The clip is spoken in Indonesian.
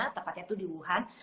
tempatnya tuh di wuhan